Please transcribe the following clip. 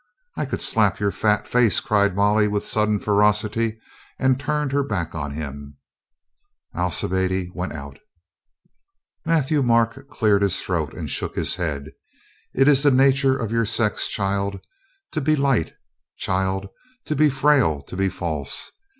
"I could slap your fat face," cried Molly with sudden ferocity, and turned her back on him. Alcibiade went out. Matthieu Marc cleared his throat and shook his head. "It is the nature of your sex, child, to be light, child, to be frail, to be false.